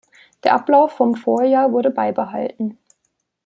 Der Ablauf vom Vorjahr wurde beibehalten.